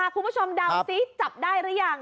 คุณผู้ชมเดาซิจับได้หรือยัง